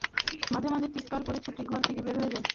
মাঝে-মাঝে চিৎকার করে ছুটে ঘর থেকে বের হয়ে যায়।